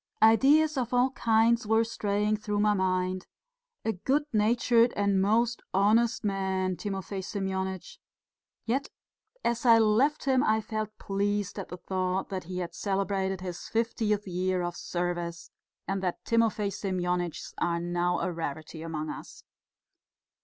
Ideas of all kinds were straying through my mind. A good natured and most honest man, Timofey Semyonitch, yet, as I left him, I felt pleased at the thought that he had celebrated his fiftieth year of service, and that Timofey Semyonitchs are now a rarity among us.